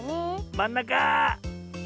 まんなか！